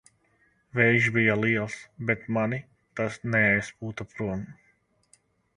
Vējš bija liels, bet mani tas neaizpūta prom.